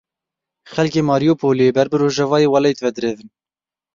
Xelkê Mariupolê ber bi rojavayê welat ve direvin.